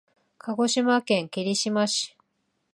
鹿児島県霧島市